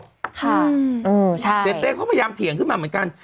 ค่ะอืมใช่เต้เต้เขาพยายามเถียงขึ้นมาเหมือนกัน